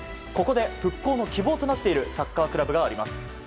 ここで復興の希望となっているサッカークラブがあります。